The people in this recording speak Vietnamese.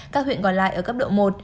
các huyện còn lại ở cấp độ một